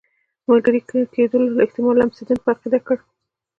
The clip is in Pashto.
ملګري کېدلو احتمال لمسډن په عقیده کړ.